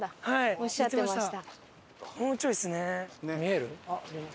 おっしゃってました。